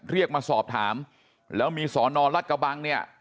เรียกมาสอบถามแล้วมีสอนอรัฐกระบังเนี่ย